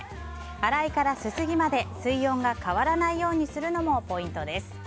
洗いからすすぎまで水温が変わらないようにするのもポイントです。